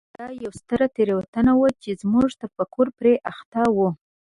دا یوه ستره تېروتنه وه چې زموږ تفکر پرې اخته و.